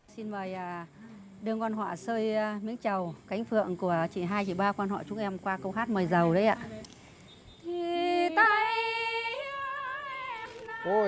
xin mời đơn quan họ xơi miếng trầu cánh phượng của chị hai chị ba quan họ chúng em qua câu hát mời giàu đấy ạ